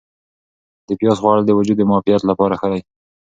د پیاز خوړل د وجود د معافیت لپاره ښه دي.